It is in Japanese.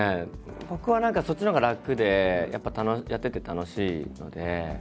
僕は何かそっちのほうが楽でやっぱやってて楽しいので。